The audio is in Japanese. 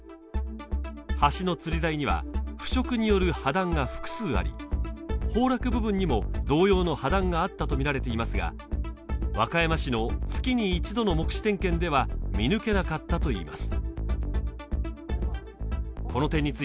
橋の吊り材には腐食による破断が複数あり崩落部分にも同様の破断があったと見られていますが和歌山市の月に１度の目視点検では見抜けなかったといいます